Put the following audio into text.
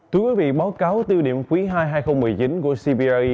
báo cáo tiêu điểm quý ii hai nghìn một mươi chín của cpri